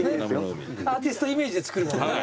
アーティストイメージで作るもんね。